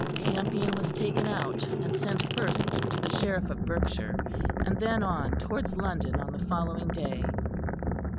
Campion was taken out and sent first to the Sheriff of Berkshire, and then on towards London on the following day.